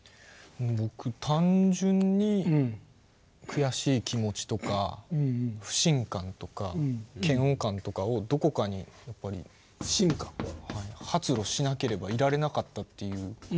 僕単純に悔しい気持ちとか不信感とか嫌悪感とかをどこかに発露しなければいられなかったという。